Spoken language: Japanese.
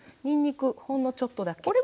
にんにくほんのちょっとだけ。